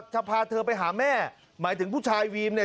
เธอพาเธอไปหาแม่หมายถึงผู้ชายวีมเนี่ย